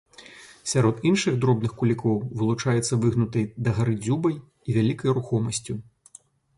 Сярод іншых дробных кулікоў вылучаецца выгнутай дагары дзюбай і вялікай рухомасцю.